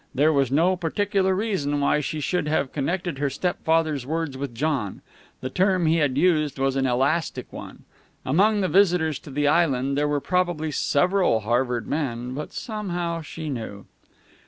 There was no particular reason why she should have connected her stepfather's words with John. The term he had used was an elastic one. Among the visitors to the island there were probably several Harvard men. But somehow she knew.